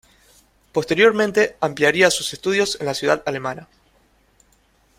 Posteriormente ampliaría sus estudios en la ciudad alemana.